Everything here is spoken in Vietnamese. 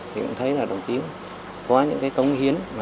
thì cũng thấy là đồng chí có những cái cống hiến